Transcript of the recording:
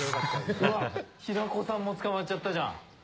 うわ、平子さんも捕まっちゃったじゃん。